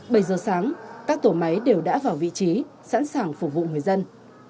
bảy giờ sáng các tổ máy đều đã vào vị trí sẵn sàng phục vụ người dân